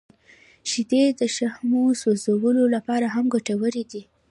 • شیدې د شحمو سوځولو لپاره هم ګټورې دي.